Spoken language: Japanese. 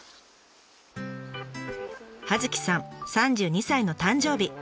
葉月さん３２歳の誕生日。